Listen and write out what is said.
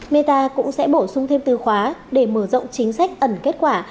meta cũng sẽ bổ sung thêm từ khóa để mở rộng chính sách ẩn kết quả